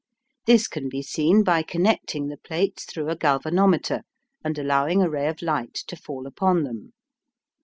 This can be seen by connecting the plates through a galvanometer, and allowing a ray of light to fall upon them.